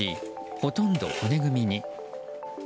ほとんど骨組みに。